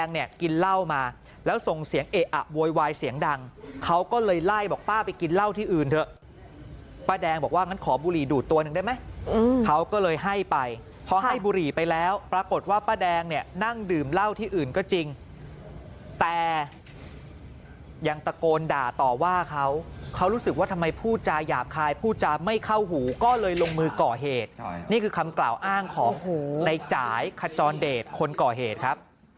ให้บอกป้าไปกินเหล้าที่อื่นเถอะป้าแดงบอกว่างั้นขอบุหรี่ดูดตัวหนึ่งได้ไหมเขาก็เลยให้ไปเพราะให้บุหรี่ไปแล้วปรากฏว่าป้าแดงเนี่ยนั่งดื่มเหล้าที่อื่นก็จริงแต่ยังตะโกนด่าต่อว่าเขาเขารู้สึกว่าทำไมผู้จาหยาบคลายผู้จาไม่เข้าหูก็เลยลงมือก่อเหตุนี่คือคำกล่าวอ้างของในจ่ายขจรเดชคนก่อเหตุครั